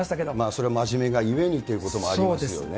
それも真面目がゆえにということもありますよね。